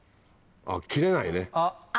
切れないね。